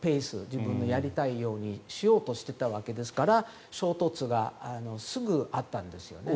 自分のやりたいようにしようとしてたわけですから衝突がすぐあったんですよね。